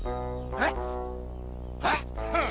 えっ！？